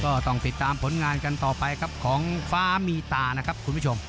ก็ต้องติดตามผลงานกันต่อไปครับของฟ้ามีตานะครับคุณผู้ชม